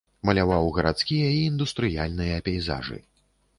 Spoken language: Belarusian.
Маляваў гарадскія і індустрыяльныя пейзажы.